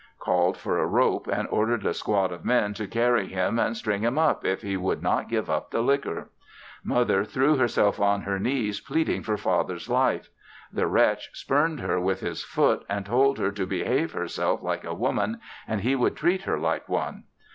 Called for a rope and ordered a squad of men to carry him and string him up if he would not give up the liquor. Mother threw herself on her knees pleading for Father's life. The wretch spurned her with his foot, and told her to behave herself like a woman and he would treat her like one.